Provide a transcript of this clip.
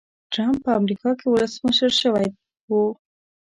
ټرمپ په امریکا کې ولسمشر شوی و.